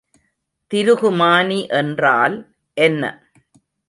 திருகுமானி என்றால் என்ன?